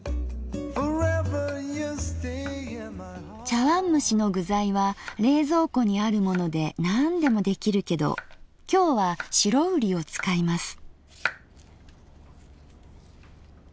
茶わんむしの具材は冷蔵庫にあるものでなんでも出来るけど今日は白瓜を使います。